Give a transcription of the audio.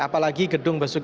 apalagi gedung bersyukuran